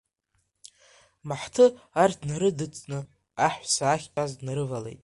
Маҳҭы арҭ днарыдҵны аҳәса ахьтәаз днарывалеит…